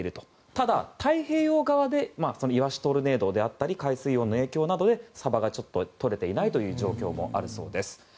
ただ、太平洋側でイワシトルネードであったり海水温の影響などでサバがとれていないという状況もあるそうです。